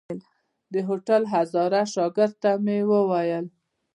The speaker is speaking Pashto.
د هوټل هزاره شاګرد ته مې وويل.